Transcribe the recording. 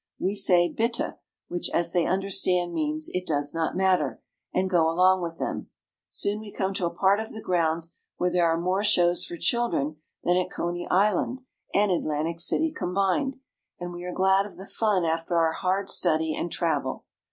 We say, " Bitte," which, as they understand, means "it does not matter," and go along with them. Soon we come to a part of the grounds where there are more shows for children IN THE CAPITAL OF AUSTRIA HUNGARY. 287 than at Coney Island and Atlantic City combined ; and we are glad of the fun after our hard study and travel.